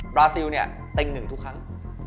ราซิลเนี่ยเต็งหนึ่งทุกครั้ง